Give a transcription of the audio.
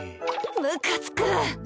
ムカつく！